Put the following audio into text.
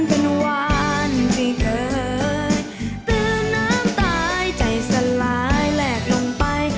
โปรดติดตามตอนต่อไป